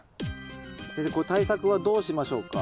先生これ対策はどうしましょうか？